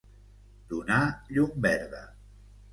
Donar llum verda.